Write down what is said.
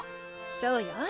そうよ。